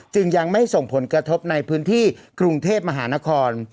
จึงยังไม่ส่งผลกระทบในพื้นที่กรุงเทพมหานคร